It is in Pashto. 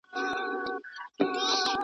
خپل ځان له هر ډول فکري فشار څخه وساتئ.